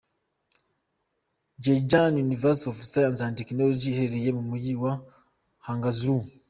Zhejiang University of Science and Technology iherereye mu mujyi wa Hangzhou.